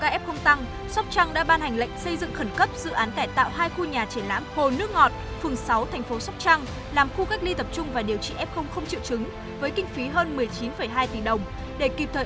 trước diễn biến số ca f tăng sóc trăng đã ban hành lệnh xây dựng khẩn cấp dự án cải tạo hai khu nhà triển lãm hồ nước ngọt phường sáu thành phố sóc trăng làm khu cách ly tập trung và điều trị f không triệu chứng với kinh phí hơn một mươi chín hai tỉ đồng để kịp thời ứng phó với các tình huống dịch bệnh covid một mươi chín